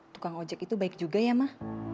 tukang ojek itu baik juga ya mah